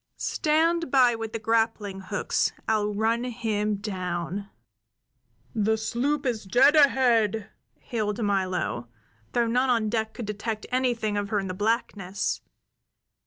Stand by with the grappling hooks. I'll run him down!" "The sloop is dead ahead!" hailed Milo, though none on deck could detect anything of her in the blackness.